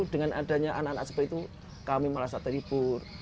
dengan adanya anak anak seperti itu kami merasa terhibur